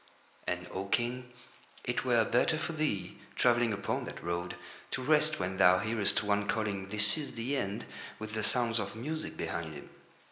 And, O King, it were better for thee, travelling upon that road, to rest when thou hearest one calling: "This is the End," with the sounds of music behind him.